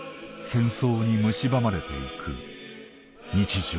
戦争に蝕まれていく日常。